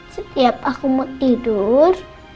setiap aku mau tidur